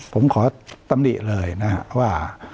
ผมขอตำนี่เลยว่า